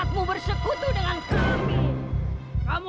perutku kenyang i